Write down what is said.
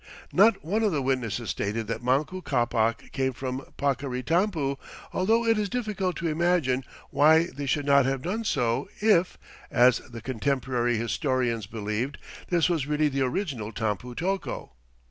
Not one of the witnesses stated that Manco Ccapac came from Paccaritampu, although it is difficult to imagine why they should not have done so if, as the contemporary historians believed, this was really the original Tampu tocco.